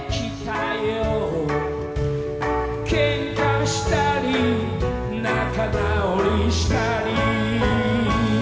「ケンカしたり仲直りしたり」